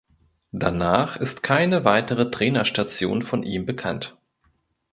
Danach ist keine weitere Trainerstation von ihm bekannt.